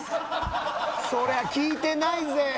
そりゃ聞いてないぜ。